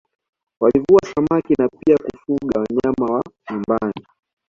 Walivua samaki na pia kufuga wanyama wa nyumbani